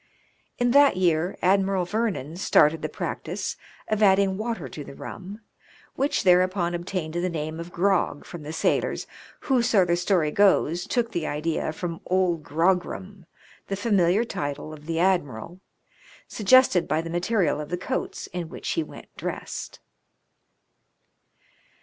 In that year Admiral Vernon started the practice of adding water to the rum, which thereupon obtained the name of grog from the sailors who, so the story goes, took the idea from " Old Grogram," the 'familiar title of the mahine punishments.' 121 Admiral, suggested by the material of the coats in which he went dressed.